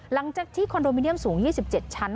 หลังจากที่คอนโดมิเนียมสูง๒๗ชั้น